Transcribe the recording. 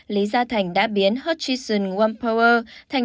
lý gia thành đã biến hutchinson one power thành một trong những nhà hàng